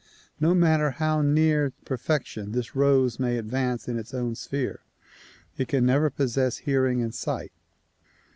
No matter how near perfection this rose may advance in its own sphere it can never possess hearing and sight.